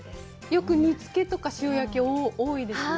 よく煮つけとか塩焼き、多いですね。